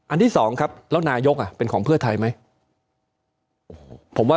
ที่สองครับแล้วนายกเป็นของเพื่อไทยไหม